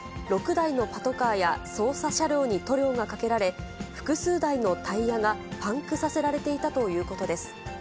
６台のパトカーや、捜査車両に塗料がかけられ、複数台のタイヤがパンクさせられていたということです。